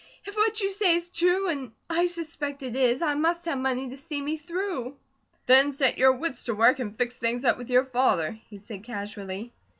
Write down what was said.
"If what you say is true, and I suspect it is, I must have money to see me through." "Then set your wits to work and fix things up with your father," he said casually.